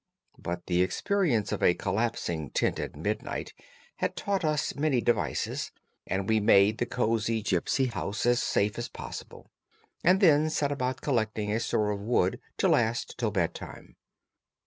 But the experience of a collapsing tent at midnight had taught us many devices, and we made the cozy gipsy house as safe as possible, and then set about collecting a store of wood to last till bed time.